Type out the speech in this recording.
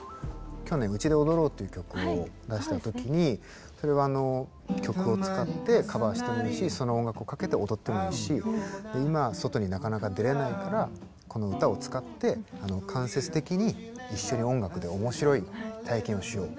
去年「うちで踊ろう」っていう曲を出した時にそれは曲を使ってカバーしてもいいしその音楽をかけて踊ってもいいし今外になかなか出れないからこの歌を使って間接的に一緒に音楽でおもしろい体験をしよう。